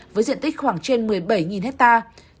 với diện tích khoảng trên một mươi bảy hectare